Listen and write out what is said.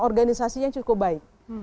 organisasi yang cukup baik